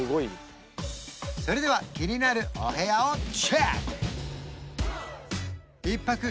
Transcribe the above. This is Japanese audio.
それでは気になるお部屋をチェック！